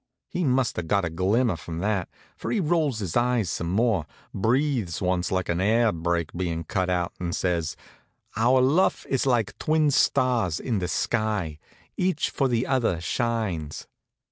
He must have got a glimmer from that; for he rolls his eyes some more, breathes once like an air brake bein' cut out, and says: "Our luff is like twin stars in the sky each for the other shines."